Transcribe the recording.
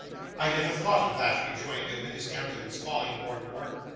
'I never thought of that,' rejoined Newman, his countenance falling more and more.